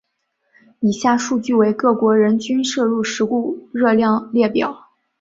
以下数据为各国人均摄入食物热量列表。